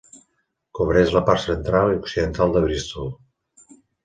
Cobreix la part central i occidental de Bristol.